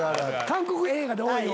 韓国映画で多い。